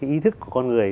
ý thức của con người